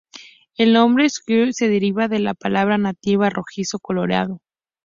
El nombre Siquirres se deriva del palabra nativa rojizo coloreado.